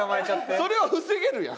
それは防げるやん！